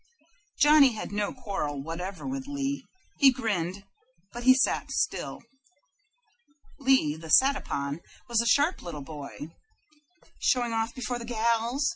Johnny had no quarrel whatever with Lee. He grinned, but he sat still. Lee, the sat upon, was a sharp little boy. "Showing off before the gals!"